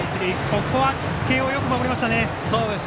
ここは慶応、よく守りましたね。